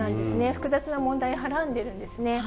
複雑な問題をはらんでいるんですね。